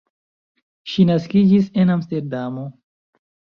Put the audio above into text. Ŝi naskiĝis en Amsterdamo.